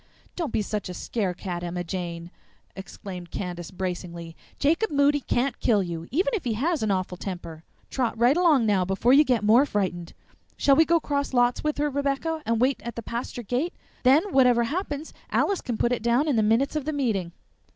"Don't be such a scare cat, Emma Jane!" exclaimed Candace bracingly. "Jacob Moody can't kill you, even if he has an awful temper. Trot right along now before you get more frightened. Shall we go cross lots with her, Rebecca, and wait at the pasture gate? Then whatever happens Alice can put it down in the minutes of the meeting."